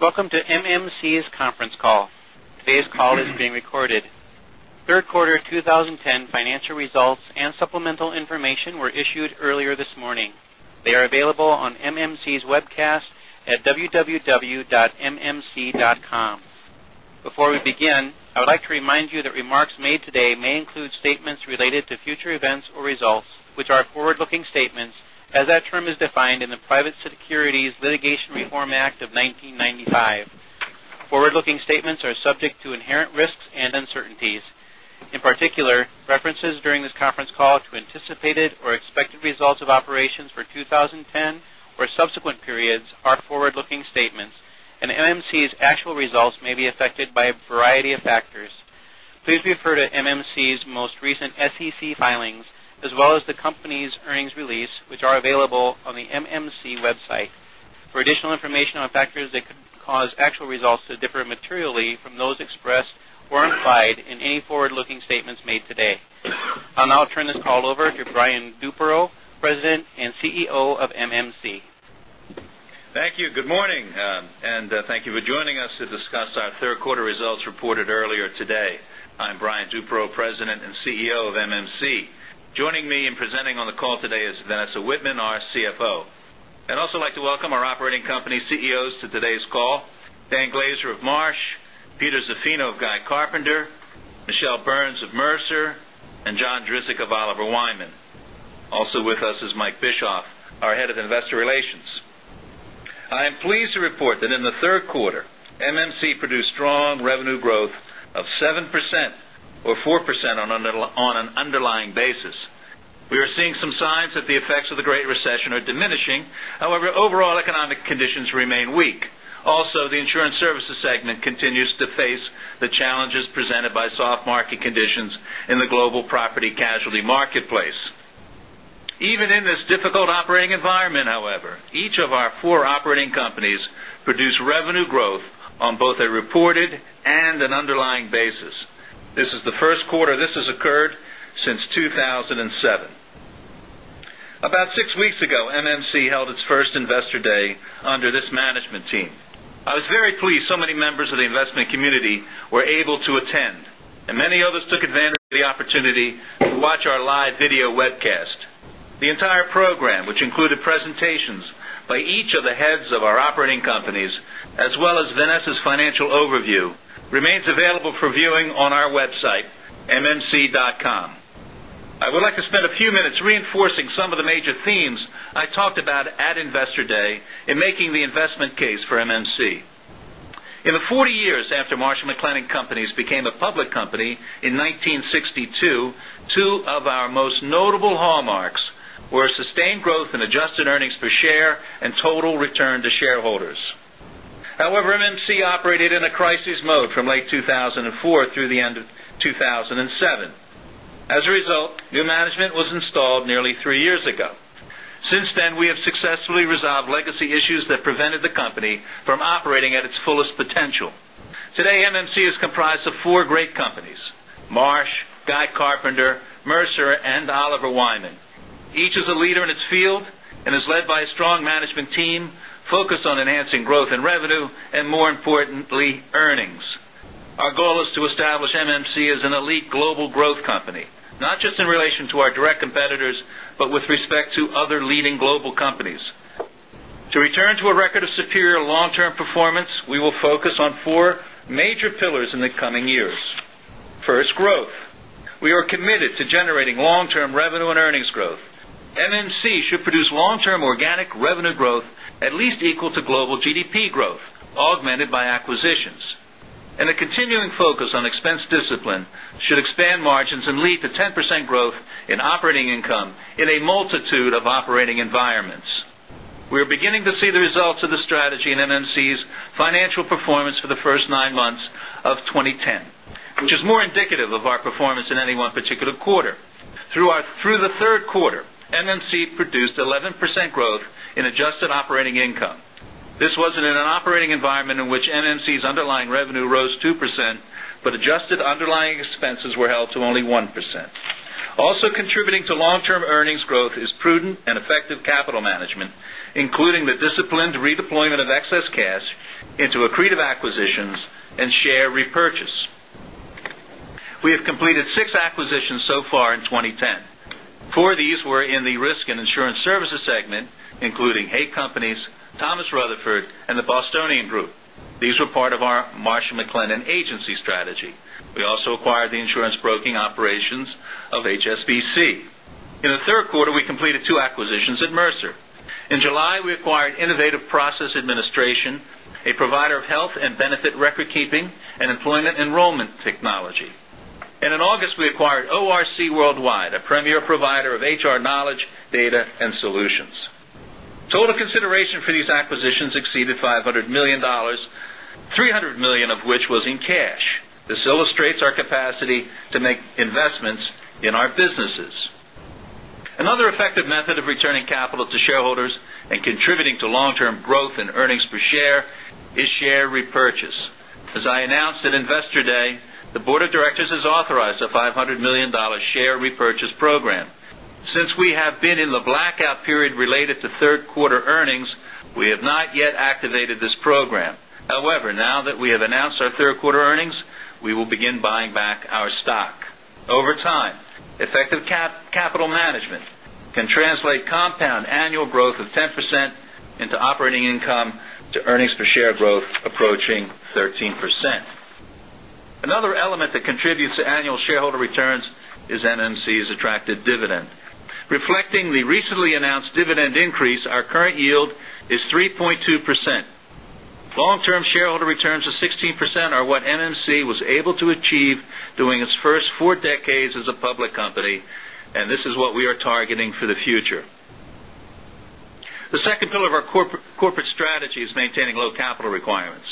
Welcome to MMC's conference call. Today's call is being recorded. Third quarter 2010 financial results and supplemental information were issued earlier this morning. They are available on MMC's webcast at www.mmc.com. Before we begin, I would like to remind you that remarks made today may include statements related to future events or results, which are forward-looking statements, as that term is defined in the Private Securities Litigation Reform Act of 1995. Forward-looking statements are subject to inherent risks and uncertainties. In particular, references during this conference call to anticipated or expected results of operations for 2010 or subsequent periods are forward-looking statements, and MMC's actual results may be affected by a variety of factors. Please refer to MMC's most recent SEC filings, as well as the company's earnings release, which are available on the MMC website for additional information on factors that could cause actual results to differ materially from those expressed or implied in any forward-looking statements made today. I'll now turn this call over to Brian Duperrault, President and CEO of MMC. Thank you. Good morning, and thank you for joining us to discuss our third quarter results reported earlier today. I'm Brian Duperrault, President and CEO of MMC. Joining me and presenting on the call today is Vanessa Wittman, our CFO. I'd also like to welcome our operating company CEOs to today's call, Dan Glaser of Marsh, Peter Zaffino of Guy Carpenter, Michele Burns of Mercer, and John Drzik of Oliver Wyman. Also with us is Mike Bischoff, our head of investor relations. I am pleased to report that in the third quarter, MMC produced strong revenue growth of 7% or 4% on an underlying basis. We are seeing some signs that the effects of the Great Recession are diminishing. However, overall economic conditions remain weak. Also, the insurance services segment continues to face the challenges presented by soft market conditions in the global property casualty marketplace. Even in this difficult operating environment, however, each of our four operating companies produced revenue growth on both a reported and an underlying basis. This is the first quarter this has occurred since 2007. About six weeks ago, MMC held its first Investor Day under this management team. I was very pleased so many members of the investment community were able to attend, and many others took advantage of the opportunity to watch our live video webcast. The entire program, which included presentations by each of the heads of our operating companies, as well as Vanessa's financial overview, remains available for viewing on our website, mmc.com. I would like to spend a few minutes reinforcing some of the major themes I talked about at Investor Day in making the investment case for MMC. In the 40 years after Marsh & McLennan Companies became a public company in 1962, two of our most notable hallmarks were sustained growth in adjusted earnings per share and total return to shareholders. However, MMC operated in a crisis mode from late 2004 through the end of 2007. As a result, new management was installed nearly three years ago. Since then, we have successfully resolved legacy issues that prevented the company from operating at its fullest potential. Today, MMC is comprised of four great companies, Marsh, Guy Carpenter, Mercer, and Oliver Wyman. Each is a leader in its field and is led by a strong management team focused on enhancing growth in revenue and, more importantly, earnings. Our goal is to establish MMC as an elite global growth company, not just in relation to our direct competitors, but with respect to other leading global companies. To return to a record of superior long-term performance, we will focus on four major pillars in the coming years. First, growth. We are committed to generating long-term revenue and earnings growth. MMC should produce long-term organic revenue growth at least equal to global GDP growth, augmented by acquisitions. A continuing focus on expense discipline should expand margins and lead to 10% growth in operating income in a multitude of operating environments. We are beginning to see the results of this strategy in MMC's financial performance for the first nine months of 2010, which is more indicative of our performance in any one particular quarter. Through the third quarter, MMC produced 11% growth in adjusted operating income. This was in an operating environment in which MMC's underlying revenue rose 2%, but adjusted underlying expenses were held to only 1%. Also contributing to long-term earnings growth is prudent and effective capital management, including the disciplined redeployment of excess cash into accretive acquisitions and share repurchase. We have completed six acquisitions so far in 2010. Four of these were in the risk and insurance services segment, including Haake Companies, Thomas Rutherfoord, and The Bostonian Group. These were part of our Marsh & McLennan Agency strategy. We also acquired the insurance broking operations of HSBC. In the third quarter, we completed two acquisitions at Mercer. In July, we acquired Innovative Process Administration, a provider of Health & Benefits record-keeping and employee enrollment technology. In August, we acquired ORC Worldwide, a premier provider of HR knowledge, data, and solutions. Total consideration for these acquisitions exceeded $500 million, $300 million of which was in cash. This illustrates our capacity to make investments in our businesses. Another effective method of returning capital to shareholders and contributing to long-term growth in earnings per share is share repurchase. As I announced at Investor Day, the board of directors has authorized a $500 million share repurchase program. Since we have been in the blackout period related to third quarter earnings, we have not yet activated this program. However, now that we have announced our third quarter earnings, we will begin buying back our stock over time. Effective capital management can translate compound annual growth of 10% into operating income to earnings per share growth approaching 13%. Another element that contributes to annual shareholder returns is MMC's attractive dividend. Reflecting the recently announced dividend increase, our current yield is 3.2%. Long-term shareholder returns of 16% are what MMC was able to achieve during its first four decades as a public company. This is what we are targeting for the future. The second pillar of our corporate strategy is maintaining low capital requirements.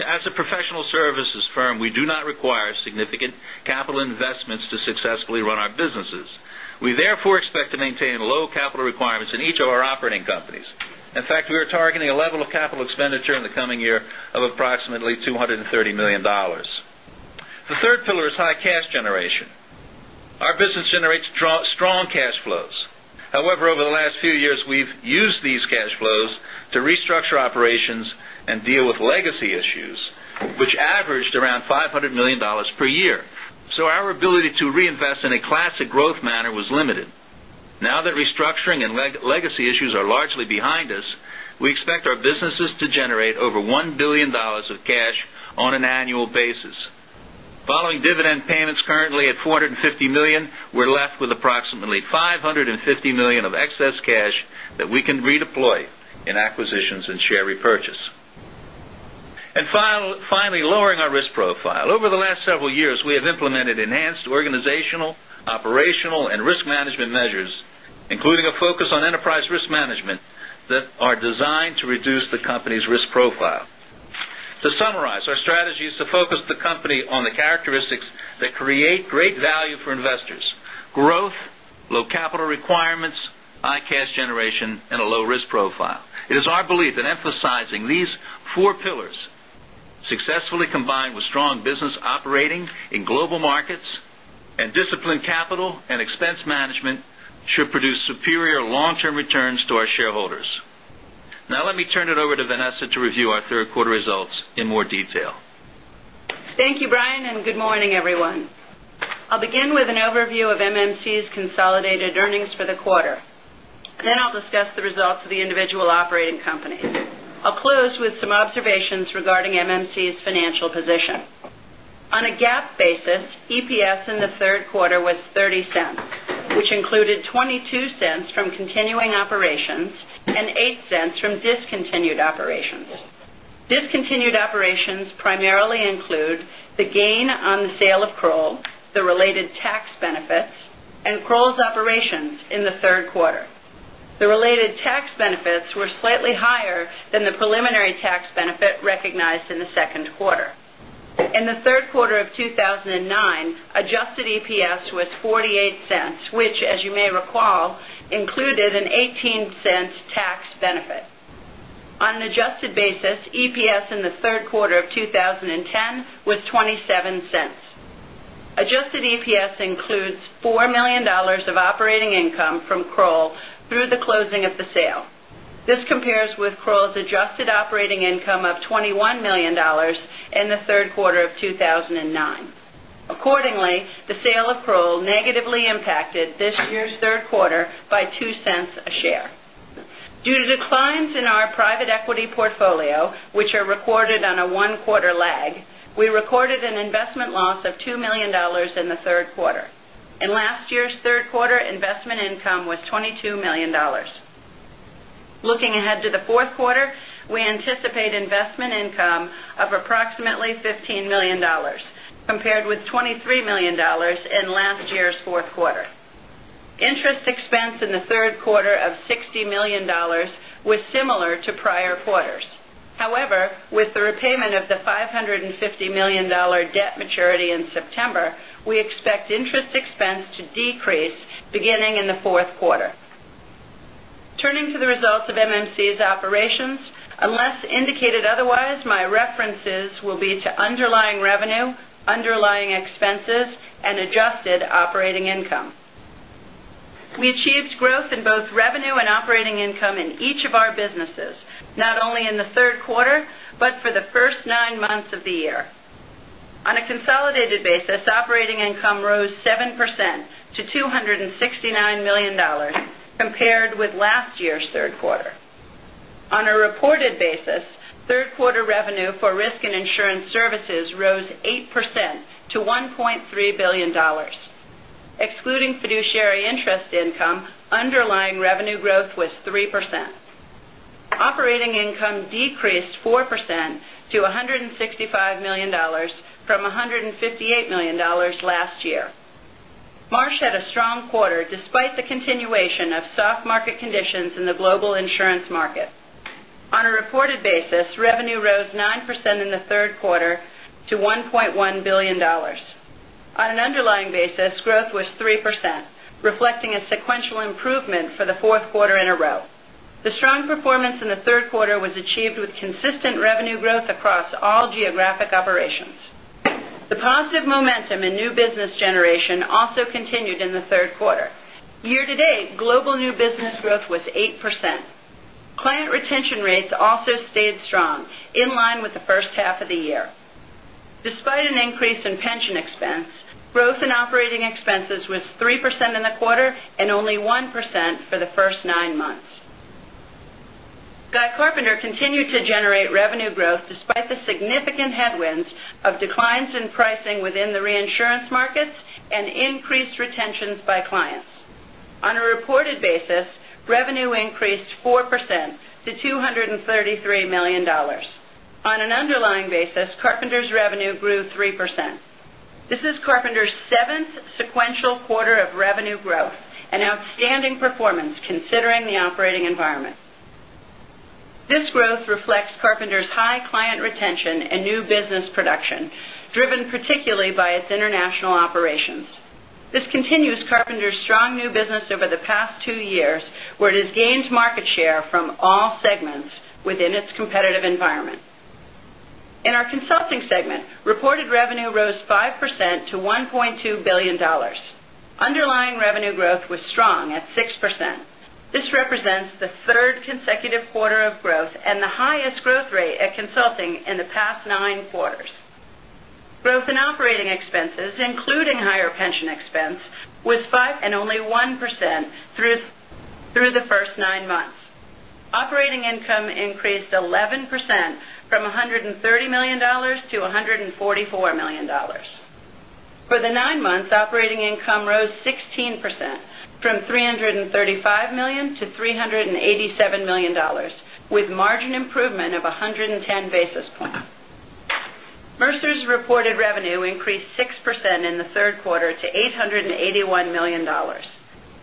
As a professional services firm, we do not require significant capital investments to successfully run our businesses. We therefore expect to maintain low capital requirements in each of our operating companies. In fact, we are targeting a level of capital expenditure in the coming year of approximately $230 million. The third pillar is high cash generation. Our business generates strong cash flows. However, over the last few years, we've used these cash flows to restructure operations and deal with legacy issues, which averaged around $500 million per year. Our ability to reinvest in a classic growth manner was limited. Now that restructuring and legacy issues are largely behind us, we expect our businesses to generate over $1 billion of cash on an annual basis. Following dividend payments currently at $450 million, we're left with approximately $550 million of excess cash that we can redeploy in acquisitions and share repurchase. Finally, lowering our risk profile. Over the last several years, we have implemented enhanced organizational, operational, and risk management measures, including a focus on enterprise risk management that are designed to reduce the company's risk profile. To summarize, our strategy is to focus the company on the characteristics that create great value for investors: growth, low capital requirements, high cash generation, and a low risk profile. It is our belief in emphasizing these four pillars successfully combined with strong business operating in global markets and disciplined capital and expense management should produce superior long-term returns to our shareholders. Now let me turn it over to Vanessa to review our third quarter results in more detail. Thank you, Brian. Good morning, everyone. I'll begin with an overview of MMC's consolidated earnings for the quarter. I'll discuss the results of the individual operating companies. I'll close with some observations regarding MMC's financial position. On a GAAP basis, EPS in the third quarter was $0.30, which included $0.22 from continuing operations and $0.08 from discontinued operations. Discontinued operations primarily include the gain on the sale of Kroll, the related tax benefits, and Kroll's operations in the third quarter. The related tax benefits were slightly higher than the preliminary tax benefit recognized in the second quarter. In the third quarter of 2009, adjusted EPS was $0.48, which as you may recall, included an $0.18 tax benefit. On an adjusted basis, EPS in the third quarter of 2010 was $0.27. Adjusted EPS includes $4 million of operating income from Kroll through the closing of the sale. This compares with Kroll's adjusted operating income of $21 million in the third quarter of 2009. Accordingly, the sale of Kroll negatively impacted this year's third quarter by $0.02 a share. Due to declines in our private equity portfolio, which are recorded on a one-quarter lag, we recorded an investment loss of $2 million in the third quarter. In last year's third quarter, investment income was $22 million. Looking ahead to the fourth quarter, we anticipate investment income of approximately $15 million, compared with $23 million in last year's fourth quarter. Interest expense in the third quarter of $60 million was similar to prior quarters. However, with the repayment of the $550 million debt maturity in September, we expect interest expense to decrease beginning in the fourth quarter. Turning to the results of MMC's operations, unless indicated otherwise, my references will be to underlying revenue, underlying expenses, and adjusted operating income. We achieved growth in both revenue and operating income in each of our businesses, not only in the third quarter, but for the first nine months of the year. On a consolidated basis, operating income rose 7% to $269 million compared with last year's third quarter. On a reported basis, third quarter revenue for risk and insurance services rose 8% to $1.3 billion. Excluding fiduciary interest income, underlying revenue growth was 3%. Operating income decreased 4% to $165 million from $158 million last year. Marsh had a strong quarter despite the continuation of soft market conditions in the global insurance market. On a reported basis, revenue rose 9% in the third quarter to $1.1 billion. On an underlying basis, growth was 3%, reflecting a sequential improvement for the fourth quarter in a row. The strong performance in the third quarter was achieved with consistent revenue growth across all geographic operations. The positive momentum in new business generation also continued in the third quarter. Year-to-date, global new business growth was 8%. Client retention rates also stayed strong, in line with the first half of the year. Despite an increase in pension expense, growth in operating expenses was 3% in the quarter and only 1% for the first nine months. Guy Carpenter continued to generate revenue growth despite the significant headwinds of declines in pricing within the reinsurance markets and increased retentions by clients. On a reported basis, revenue increased 4% to $233 million. On an underlying basis, Carpenter's revenue grew 3%. This is Carpenter's seventh sequential quarter of revenue growth, an outstanding performance considering the operating environment. This growth reflects Carpenter's high client retention and new business production, driven particularly by its international operations. This continues Carpenter's strong new business over the past two years, where it has gained market share from all segments within its competitive environment. In our Consulting segment, reported revenue rose 5% to $1.2 billion. Underlying revenue growth was strong at 6%. This represents the third consecutive quarter of growth and the highest growth rate at Consulting in the past nine quarters. Growth in operating expenses, including higher pension expense, was 5% and only 1% through the first nine months. Operating income increased 11%, from $130 million to $144 million. For the nine months, operating income rose 16%, from $335 million to $387 million, with margin improvement of 110 basis points. Mercer's reported revenue increased 6% in the third quarter to $881 million.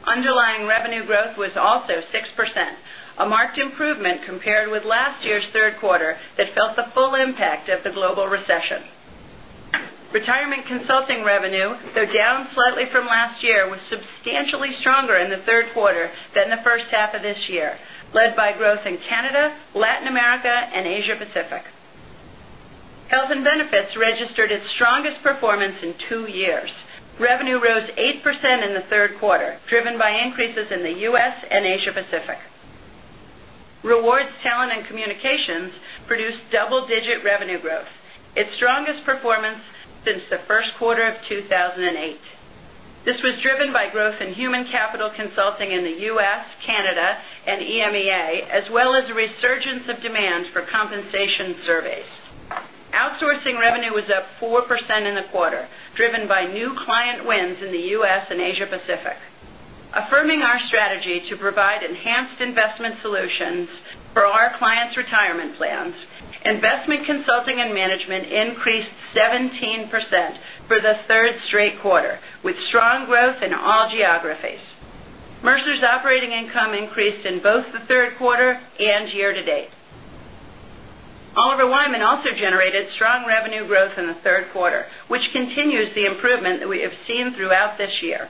Underlying revenue growth was also 6%, a marked improvement compared with last year's third quarter that felt the full impact of the global recession. Retirement Consulting revenue, though down slightly from last year, was substantially stronger in the third quarter than the first half of this year, led by growth in Canada, Latin America, and Asia-Pacific. Health & Benefits registered its strongest performance in two years. Revenue rose 8% in the third quarter, driven by increases in the U.S. and Asia-Pacific. Rewards, Talent & Communications produced double-digit revenue growth, its strongest performance since the first quarter of 2008. This was driven by growth in human capital consulting in the U.S., Canada, and EMEA, as well as a resurgence of demand for compensation surveys. Outsourcing revenue was up 4% in the quarter, driven by new client wins in the U.S. and Asia-Pacific. Affirming our strategy to provide enhanced investment solutions for our clients' retirement plans, Investment Consulting and Management increased 17% for the third straight quarter, with strong growth in all geographies. Mercer's operating income increased in both the third quarter and year-to-date. Oliver Wyman also generated strong revenue growth in the third quarter, which continues the improvement that we have seen throughout this year.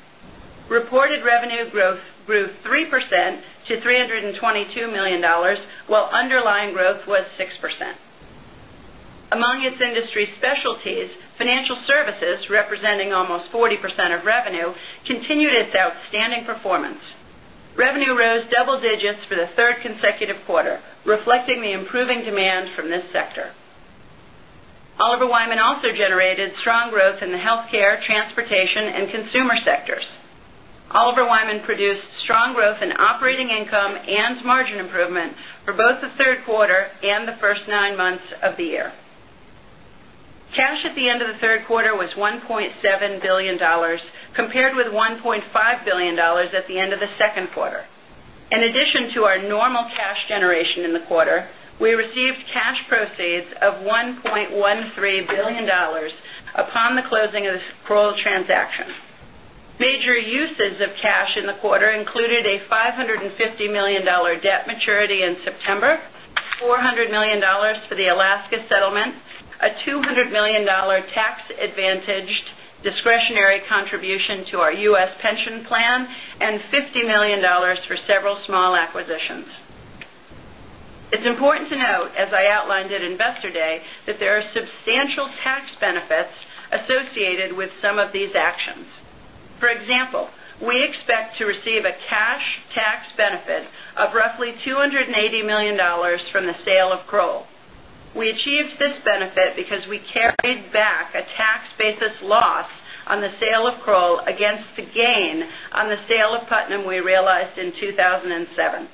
Reported revenue growth grew 3% to $322 million, while underlying growth was 6%. Among its industry specialties, financial services, representing almost 40% of revenue, continued its outstanding performance. Revenue rose double digits for the third consecutive quarter, reflecting the improving demand from this sector. Oliver Wyman also generated strong growth in the healthcare, transportation, and consumer sectors. Oliver Wyman produced strong growth in operating income and margin improvement for both the third quarter and the first nine months of the year. Cash at the end of the third quarter was $1.7 billion, compared with $1.5 billion at the end of the second quarter. In addition to our normal cash generation in the quarter, we received cash proceeds of $1.13 billion upon the closing of the Kroll transaction. Major uses of cash in the quarter included a $550 million debt maturity in September, $400 million for the Alaska settlement, a $200 million tax-advantaged discretionary contribution to our U.S. pension plan, and $50 million for several small acquisitions. It's important to note, as I outlined at Investor Day, that there are substantial tax benefits associated with some of these actions. For example, we expect to receive a cash tax benefit of roughly $280 million from the sale of Kroll. We achieved this benefit because we carried back a tax basis loss on the sale of Kroll against the gain on the sale of Putnam we realized in 2007.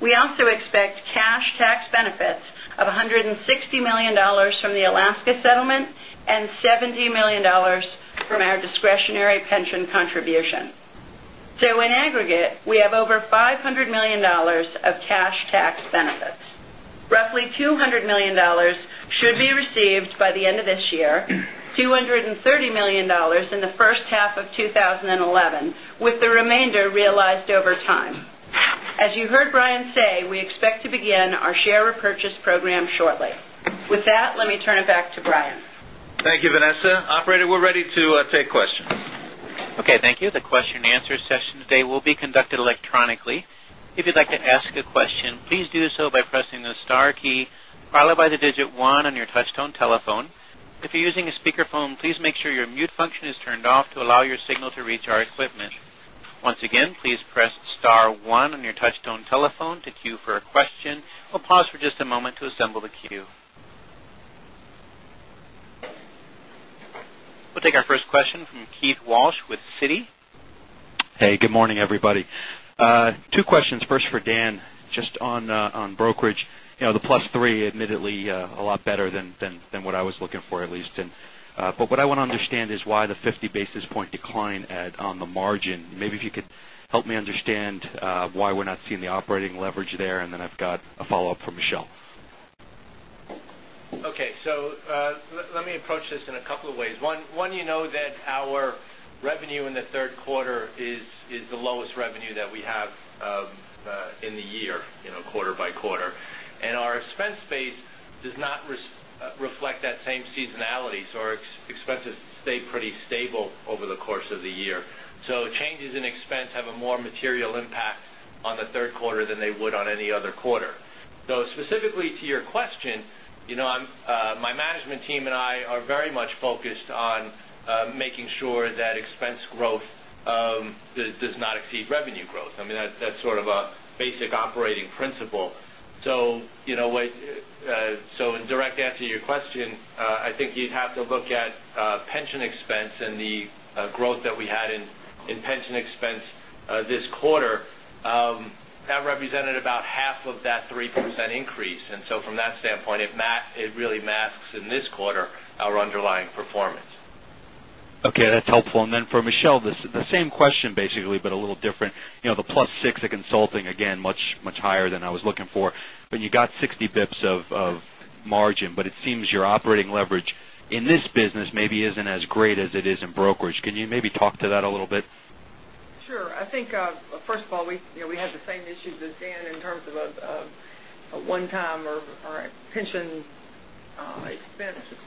We also expect cash tax benefits of $160 million from the Alaska settlement and $70 million from our discretionary pension contribution. In aggregate, we have over $500 million of cash tax benefits. Roughly $200 million should be received by the end of this year, $230 million in the first half of 2011, with the remainder realized over time. As you heard Brian say, we expect to begin our share repurchase program shortly. With that, let me turn it back to Brian. Thank you, Vanessa. Operator, we're ready to take questions. Okay, thank you. The question and answer session today will be conducted electronically. If you'd like to ask a question, please do so by pressing the star key, followed by the digit one on your touchtone telephone. If you're using a speakerphone, please make sure your mute function is turned off to allow your signal to reach our equipment. Once again, please press star one on your touchtone telephone to queue for a question. We'll pause for just a moment to assemble the queue. We'll take our first question from Keith Walsh with Citi. Hey, good morning, everybody. Two questions. First for Dan, just on brokerage. The plus three, admittedly, a lot better than what I was looking for, at least. What I want to understand is why the 50 basis point decline on the margin. Maybe if you could help me understand why we're not seeing the operating leverage there. I've got a follow-up for Michelle. Let me approach this in a couple of ways. One, you know that our revenue in the third quarter is the lowest revenue that we have in the year, quarter by quarter. Our expense base does not reflect that same seasonality. Our expenses stay pretty stable over the course of the year. Changes in expense have a more material impact on the third quarter than they would on any other quarter. Specifically to your question, my management team and I are very much focused on making sure that expense growth does not exceed revenue growth. I mean, that's sort of a basic operating principle. In direct answer to your question, I think you'd have to look at pension expense and the growth that we had in pension expense this quarter. That represented about half of that 3% increase. From that standpoint, it really masks, in this quarter, our underlying performance. Okay. That's helpful. For Michelle, the same question, basically, but a little different. The +6 of consulting, again, much higher than I was looking for. You got 60 basis points of margin, but it seems your operating leverage in this business maybe isn't as great as it is in brokerage. Can you maybe talk to that a little bit? Sure. I think, first of all, we had the same issues as Dan in terms of a one-time or our pension expense is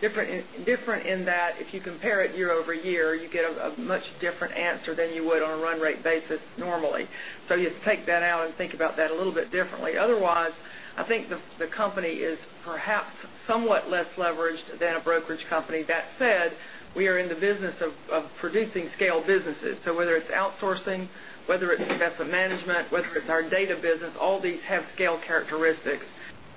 different in that if you compare it year-over-year, you get a much different answer than you would on a run rate basis normally. You have to take that out and think about that a little bit differently. Otherwise, I think the company is perhaps somewhat less leveraged than a brokerage company. That said, we are in the business of producing scale businesses. Whether it's outsourcing, whether it's investment management, whether it's our data business, all these have scale characteristics.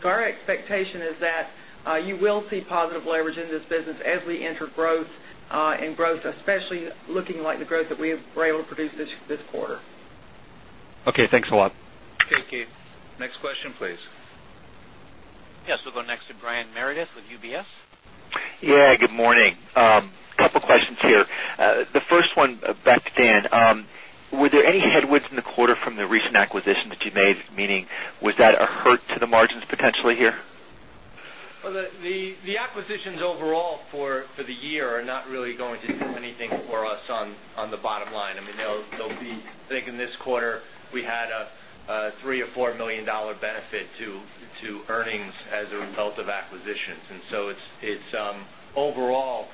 Our expectation is that you will see positive leverage in this business as we enter growth, and growth especially looking like the growth that we were able to produce this quarter. Okay. Thanks a lot. Thank you. Next question, please. We'll go next to Brian Meredith with UBS. Good morning. Couple questions here. The first one, back to Dan. Were there any headwinds in the quarter from the recent acquisition that you made? Meaning, was that a hurt to the margins potentially here? Well, the acquisitions overall for the year are not really going to do anything for us on the bottom line. I mean, I think in this quarter we had a $3 million or $4 million benefit to earnings as a result of acquisitions. Overall,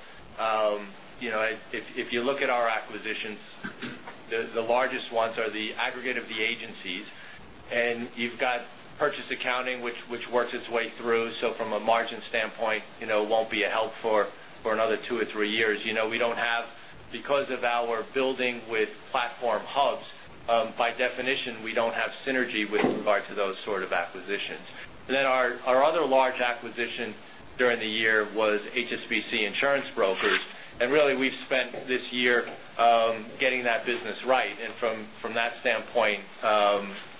if you look at our acquisitions, the largest ones are the aggregate of the agencies, and you've got purchase accounting, which works its way through. So from a margin standpoint, it won't be a help for another two or three years. Because of our building with platform hubs, by definition, we don't have synergy with regard to those sort of acquisitions. Our other large acquisition during the year was HSBC Insurance Brokers. Really, we've spent this year getting that business right. From that standpoint,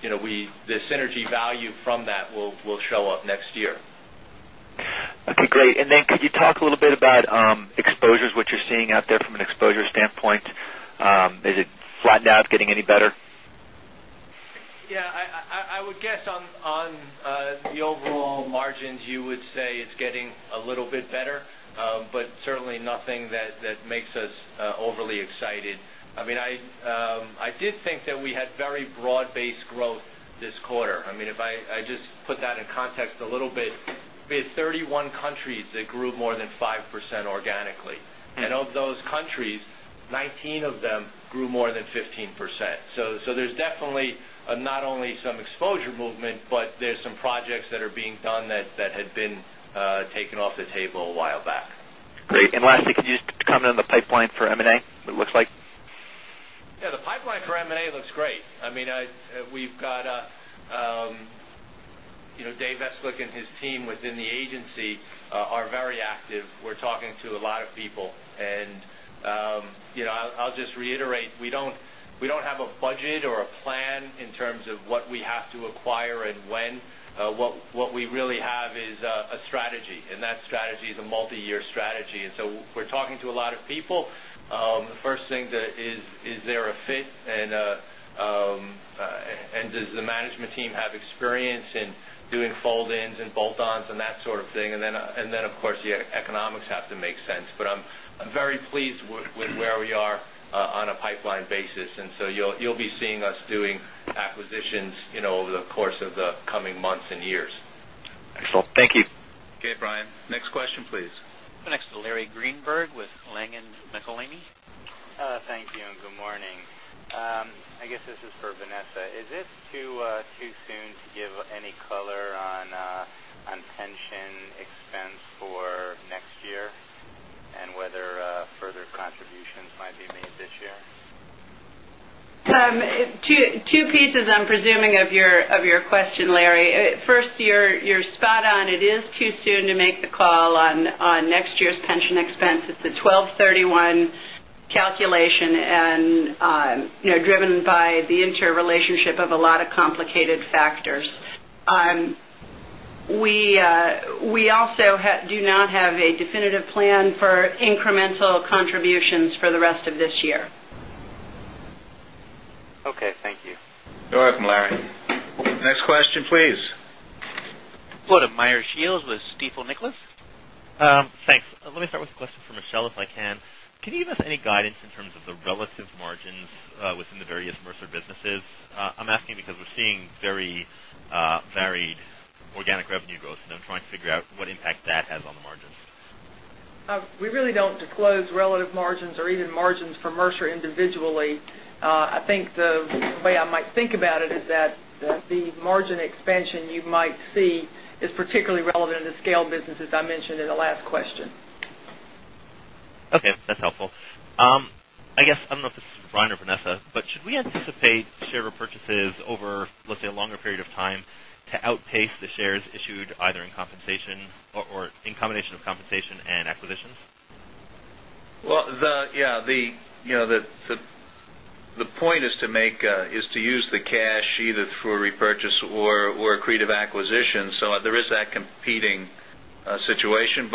the synergy value from that will show up next year. Okay. Great. Could you talk a little bit about exposures, what you're seeing out there from an exposure standpoint? Is it flattened out, getting any better? Yeah. I would guess on the overall margins, you would say it's getting a little bit better. Certainly nothing that makes us overly excited. I mean, I did think that we had very broad-based growth this quarter. I mean, if I just put that in context a little bit, we had 31 countries that grew more than 5% organically. Of those countries, 19 of them grew more than 15%. There's definitely not only some exposure movement, but there's some projects that are being done that had been taken off the table a while back. Great. Lastly, could you just comment on the pipeline for M&A? It looks like. Yeah, the pipeline for M&A looks great. I mean, Dave Eslick and his team within the agency are very active. We're talking to a lot of people. I'll just reiterate, we don't have a budget or a plan in terms of what we have to acquire and when. What we really have is a strategy, that strategy is a multi-year strategy. We're talking to a lot of people. The first thing is there a fit, does the management team have experience in doing fold-ins and bolt-ons and that sort of thing? Then, of course, the economics have to make sense. I'm very pleased with where we are on a pipeline basis. You'll be seeing us doing acquisitions over the course of the coming months and years. Excellent. Thank you. Okay, Brian. Next question, please. Go next to Larry Greenberg with Langen McAlenney. Thank you, good morning. I guess this is for Vanessa. Is it too soon to give any color on pension expense for next year, whether further contributions might be made this year? Two pieces I'm presuming of your question, Larry. First, you're spot on. It is too soon to make the call on next year's pension expense. It's a 12/31 calculation and driven by the interrelationship of a lot of complicated factors. We also do not have a definitive plan for incremental contributions for the rest of this year. Okay, thank you. You're welcome, Larry. Next question, please. Go to Meyer Shields with Stifel Nicolaus. Thanks. Let me start with a question for Michelle, if I can. Can you give us any guidance in terms of the relative margins within the various Mercer businesses? I'm asking because we're seeing very varied organic revenue growth and I'm trying to figure out what impact that has on the margins. We really don't disclose relative margins or even margins for Mercer individually. I think the way I might think about it is that the margin expansion you might see is particularly relevant in scale businesses, I mentioned in the last question. Okay, that's helpful. I guess I don't know if this is for Brian or Vanessa. Should we anticipate share repurchases over, let's say, a longer period of time to outpace the shares issued either in compensation or in combination of compensation and acquisitions? Well, the point is to use the cash either for repurchase or accretive acquisitions. There is that competing situation.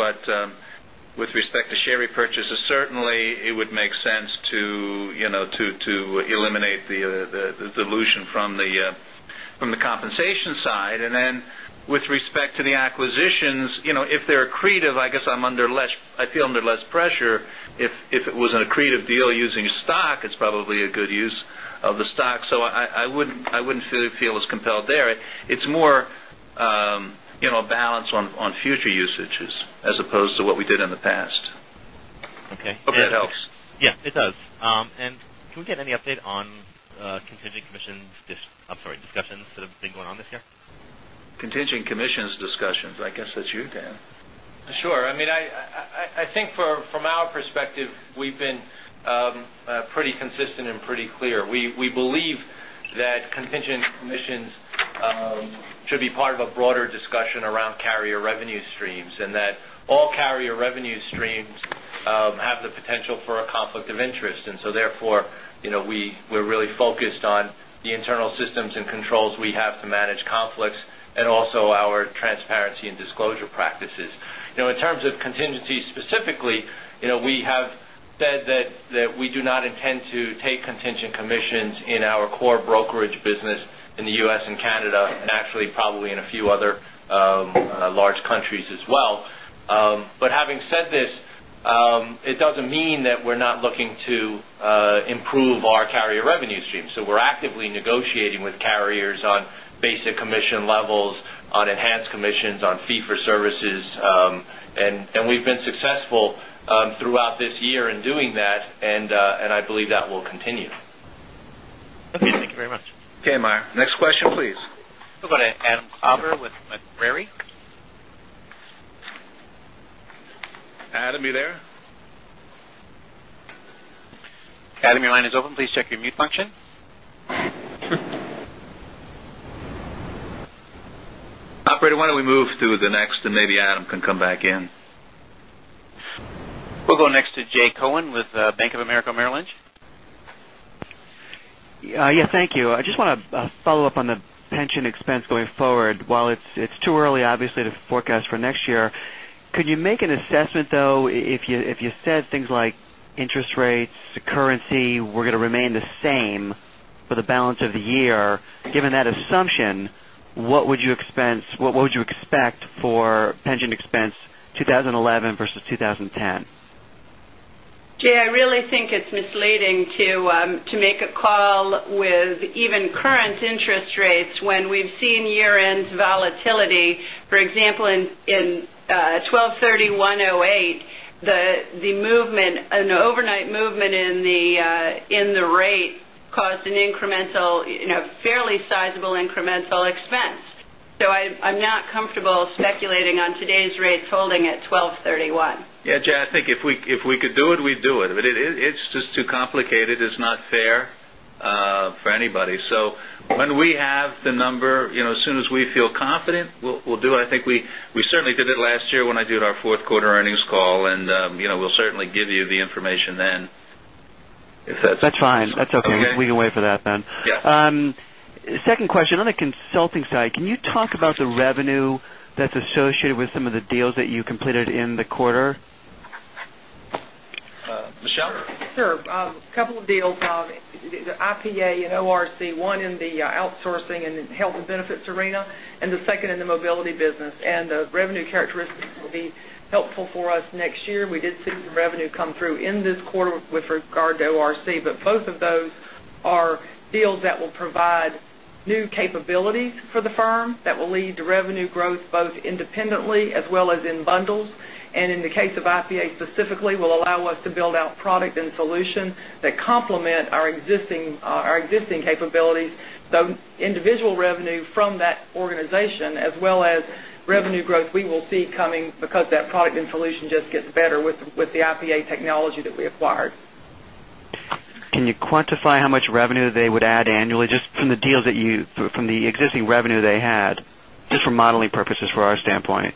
With respect to share repurchases, certainly it would make sense to eliminate the dilution from the compensation side. With respect to the acquisitions, if they're accretive, I guess I feel under less pressure if it was an accretive deal using stock, it's probably a good use of the stock. I wouldn't feel as compelled there. It's more a balance on future usages as opposed to what we did in the past. Okay. Hope that helps. Yeah, it does. Can we get any update on contingent commissions, I'm sorry, discussions that have been going on this year? Contingent commissions discussions. I guess that's you, Dan. Sure. I think from our perspective, we've been pretty consistent and pretty clear. We believe that contingent commissions should be part of a broader discussion around carrier revenue streams, and that all carrier revenue streams have the potential for a conflict of interest. Therefore, we're really focused on the internal systems and controls we have to manage conflicts and also our transparency and disclosure practices. In terms of contingencies specifically, we have said that we do not intend to take contingent commissions in our core brokerage business in the U.S. and Canada, and actually probably in a few other large countries as well. But having said this, it doesn't mean that we're not looking to improve our carrier revenue stream. So we're actively negotiating with carriers on basic commission levels, on enhanced commissions, on fee for services. We've been successful throughout this year in doing that. I believe that will continue. Okay, thank you very much. Okay, Meyer. Next question, please. We'll go to Adam Klauber with Macquarie. Adam, you there? Adam, your line is open. Please check your mute function. Operator, why don't we move to the next, and maybe Adam can come back in. We'll go next to Jay Cohen with Bank of America Merrill Lynch. Yes, thank you. I just want to follow up on the pension expense going forward. While it's too early, obviously, to forecast for next year, could you make an assessment, though, if you said things like interest rates, currency were going to remain the same for the balance of the year, given that assumption, what would you expect for pension expense 2011 versus 2010? Jay, I really think it's misleading to make a call with even current interest rates when we've seen year-end volatility. For example, in 12/30, 1/08, an overnight movement in the rate caused a fairly sizable incremental expense. I'm not comfortable speculating on today's rates holding at 12/31. Yeah, Jay, I think if we could do it, we'd do it. It's just too complicated. It's not fair for anybody. When we have the number, as soon as we feel confident, we'll do it. I think we certainly did it last year when I did our fourth quarter earnings call. We'll certainly give you the information then, if that's. That's fine. That's okay. Okay. We can wait for that then. Yes. Second question, on the consulting side, can you talk about the revenue that's associated with some of the deals that you completed in the quarter? Michelle? Sure. A couple of deals. The IPA and ORC, one in the outsourcing and the Health & Benefits arena, and the second in the mobility business. The revenue characteristics will be helpful for us next year. We did see some revenue come through in this quarter with regard to ORC. Both of those are deals that will provide new capabilities for the firm that will lead to revenue growth, both independently as well as in bundles. In the case of IPA specifically, will allow us to build out product and solution that complement our existing capabilities. Individual revenue from that organization, as well as revenue growth we will see coming because that product and solution just gets better with the IPA technology that we acquired. Can you quantify how much revenue they would add annually just from the existing revenue they had, just for modeling purposes for our standpoint?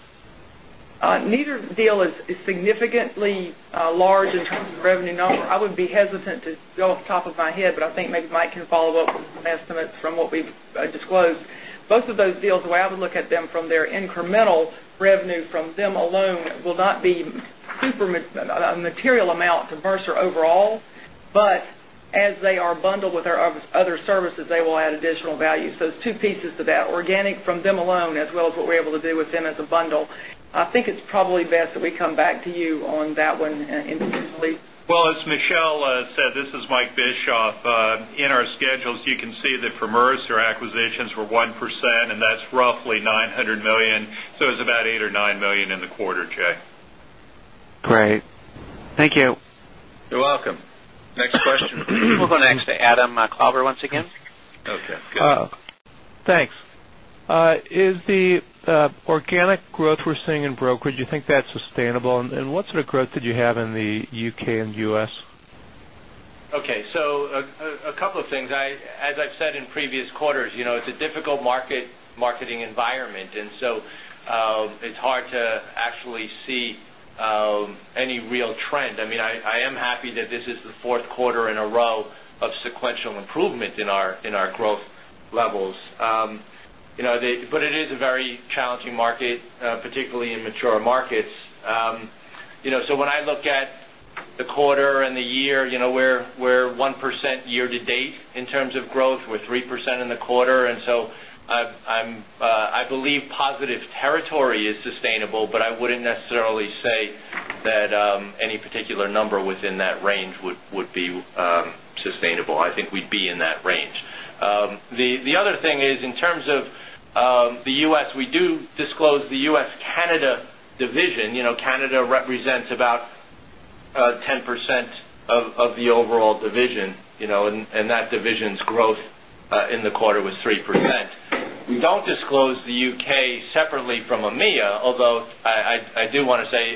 Neither deal is significantly large in terms of revenue number. I would be hesitant to go off the top of my head, but I think maybe Mike can follow up with some estimates from what we've disclosed. Both of those deals, the way I would look at them from their incremental revenue from them alone will not be a material amount to Mercer overall. But as they are bundled with our other services, they will add additional value. There's two pieces to that. Organic from them alone, as well as what we're able to do with them as a bundle. I think it's probably best that we come back to you on that one individually. Well, as Michelle said, this is Mike Bischoff. In our schedules, you can see that for Mercer, acquisitions were 1%, and that's roughly $900 million. It's about $8 million or $9 million in the quarter, Jay. Great. Thank you. You're welcome. Next question. We'll go next to Adam Klauber once again. Okay, good. Thanks. Is the organic growth we're seeing in brokerage, you think that's sustainable? What sort of growth did you have in the U.K. and U.S.? Okay. A couple of things. As I've said in previous quarters, it's a difficult marketing environment. It's hard to actually see any real trend. I am happy that this is the fourth quarter in a row of sequential improvement in our growth levels. It is a very challenging market, particularly in mature markets. When I look at the quarter and the year, we're 1% year-to-date in terms of growth. We're 3% in the quarter. I believe positive territory is sustainable, but I wouldn't necessarily say that any particular number within that range would be sustainable. I think we'd be in that range. The other thing is, in terms of the U.S., we do disclose the U.S.-Canada division. Canada represents about 10% of the overall division, and that division's growth in the quarter was 3%. We don't disclose the U.K. separately from EMEA, although I do want to say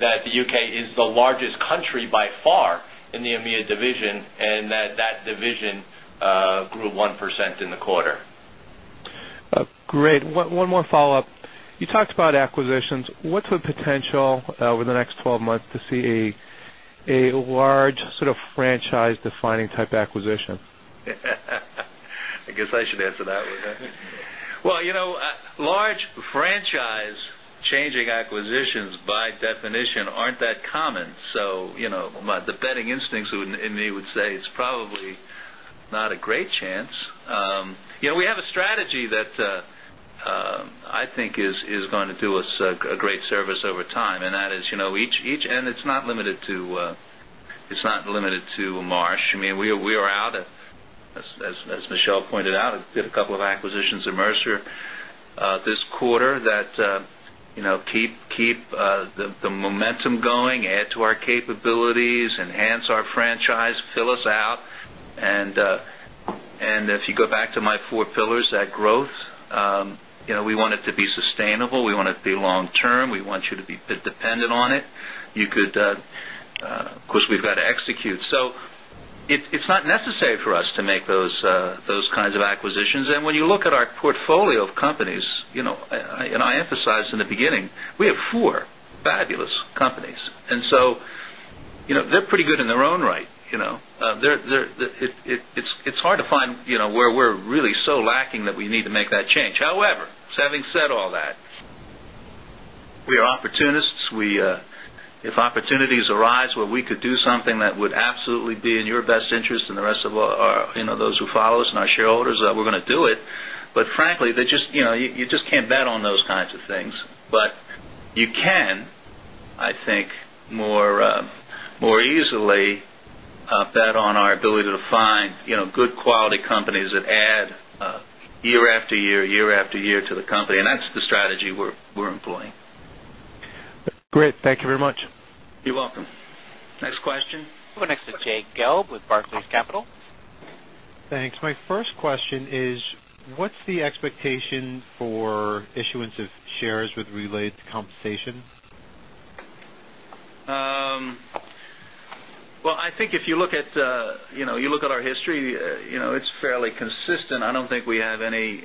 that the U.K. is the largest country by far in the EMEA division, and that division grew 1% in the quarter. Great. One more follow-up. You talked about acquisitions. What's the potential over the next 12 months to see a large sort of franchise-defining type acquisition? I guess I should answer that one, huh? Well, large franchise-changing acquisitions, by definition, aren't that common. My betting instincts in me would say it's probably not a great chance. We have a strategy that I think is going to do us a great service over time, and it's not limited to Marsh. We are out, as M. Michele pointed out, did a couple of acquisitions in Mercer this quarter that keep the momentum going, add to our capabilities, enhance our franchise, fill us out. If you go back to my four pillars, that growth, we want it to be sustainable. We want it to be long-term. We want you to be dependent on it. Of course, we've got to execute. It's not necessary for us to make those kinds of acquisitions. When you look at our portfolio of companies, I emphasized in the beginning, we have four fabulous companies. They're pretty good in their own right. It's hard to find where we're really so lacking that we need to make that change. However, having said all that, we are opportunists. If opportunities arise where we could do something that would absolutely be in your best interest and the rest of those who follow us and our shareholders, we're going to do it. Frankly, you just can't bet on those kinds of things. You can, I think, more easily bet on our ability to find good quality companies that add year after year to the company, and that's the strategy we're employing. Great. Thank you very much. You're welcome. Next question. Go next to Jay Gelb with Barclays Capital. Thanks. My first question is, what's the expectation for issuance of shares with related to compensation? Well, I think if you look at our history, it's fairly consistent. I don't think we have any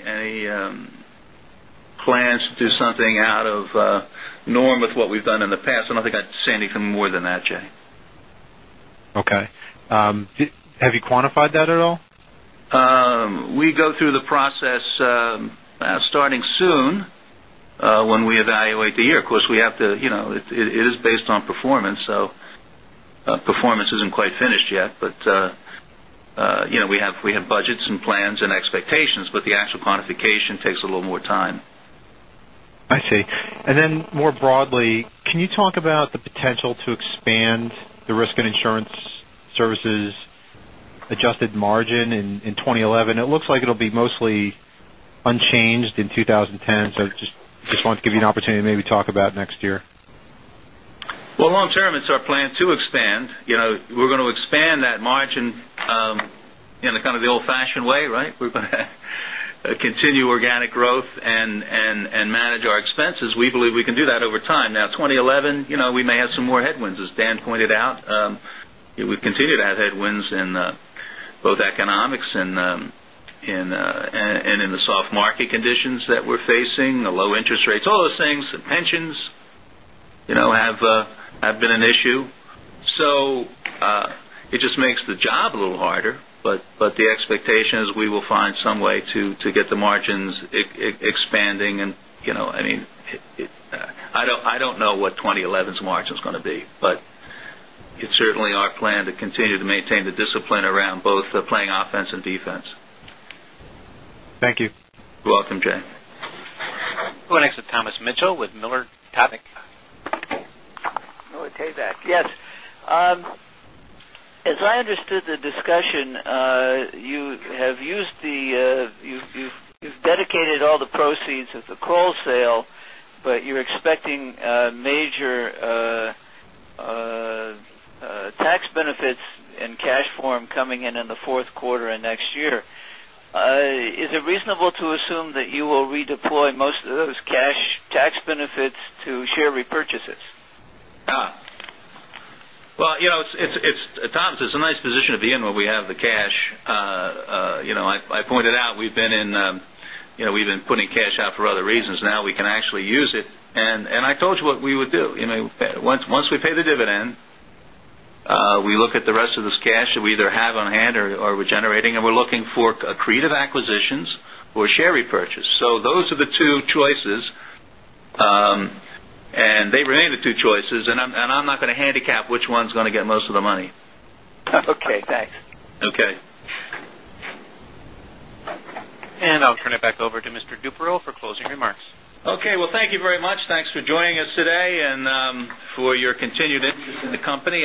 plans to do something out of norm with what we've done in the past. I don't think I'd say anything more than that, Jay. Okay. Have you quantified that at all? We go through the process starting soon, when we evaluate the year. Of course, it is based on performance, so performance isn't quite finished yet. We have budgets and plans and expectations, but the actual quantification takes a little more time. I see. More broadly, can you talk about the potential to expand the risk and insurance services adjusted margin in 2011? It looks like it'll be mostly unchanged in 2010. I just wanted to give you an opportunity to maybe talk about next year. Long term, it's our plan to expand. We're going to expand that margin in kind of the old-fashioned way, right? We're going to continue organic growth and manage our expenses. We believe we can do that over time. 2011, we may have some more headwinds, as Dan pointed out. We continue to have headwinds in both economics and in the soft market conditions that we're facing, the low interest rates, all those things. The pensions have been an issue. It just makes the job a little harder. The expectation is we will find some way to get the margins expanding. I don't know what 2011's margin's going to be, but it's certainly our plan to continue to maintain the discipline around both playing offense and defense. Thank you. You're welcome, Jay. We'll go next to Thomas Mitchell with Miller Tabak. Miller Tabak, yes. As I understood the discussion, you've dedicated all the proceeds of the Kroll sale, you're expecting major tax benefits in cash form coming in in the fourth quarter and next year. Is it reasonable to assume that you will redeploy most of those cash tax benefits to share repurchases? Well, Thomas, it's a nice position to be in where we have the cash. I pointed out we've been putting cash out for other reasons. Now we can actually use it. I told you what we would do. Once we pay the dividend, we look at the rest of this cash that we either have on hand or we're generating, we're looking for creative acquisitions or share repurchase. Those are the two choices. They remain the two choices, and I'm not going to handicap which one's going to get most of the money. Okay, thanks. Okay. I'll turn it back over to Mr. Duperrault for closing remarks. Okay. Well, thank you very much. Thanks for joining us today and for your continued interest in the company.